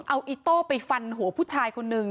เอาอิโต้ไปฟันหัวผู้ชายคนนึง